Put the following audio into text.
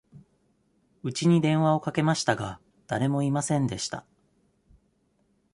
うちに電話をかけましたが、誰もいませんでした。